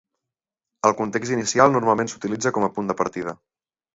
El context inicial normalment s'utilitza com a punt de partida.